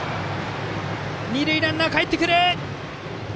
二塁ランナー、かえってくる！